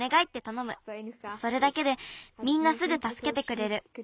それだけでみんなすぐたすけてくれる。